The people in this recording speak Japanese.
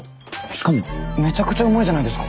しかもめちゃくちゃうまいじゃないですか。